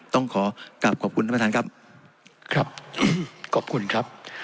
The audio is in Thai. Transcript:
ต้องขอกลับขอบคุณท่านประธานครับครับขอบคุณครับ